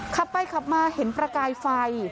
ขับไปขับมาเห็นประกายไฟ